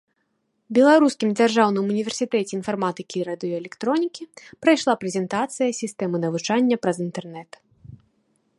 Беларускім дзяржаўным універсітэце інфарматыкі і радыёэлектронікі прайшла прэзентацыя сістэмы навучання праз інтэрнэт.